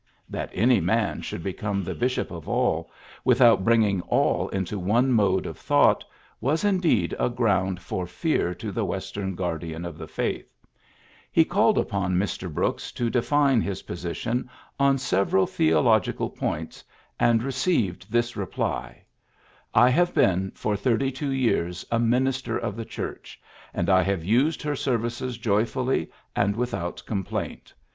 That any man should become the bishop of all, with out bringing aU into one mode of thought, was indeed a ground for fear to the Western guardian of the faith. He called upon Mr. Brooks to define his position on several theological points, and received this reply: ^'I have been PHILLIPS BKOOKS 101 for thirty two years a minister of the Church, and I have used her services joyfully and without complaint.